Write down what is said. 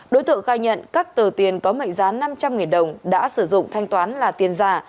đối tượng khai nhận các tờ tiền có mệnh giá năm trăm linh đồng đã sử dụng thanh toán là tiền giả